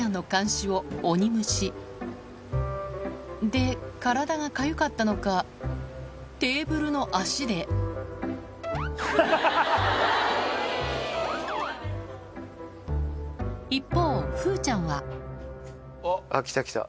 で体がかゆかったのかテーブルの脚で一方風ちゃんは来た来た。